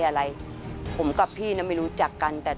ทำไมเราต้องเป็นแบบเสียเงินอะไรขนาดนี้เวรกรรมอะไรนักหนา